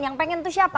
yang pengen itu siapa